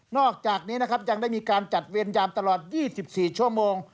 อกจากนี้นะครับยังได้มีการจัดเวรยามตลอด๒๔ชั่วโมง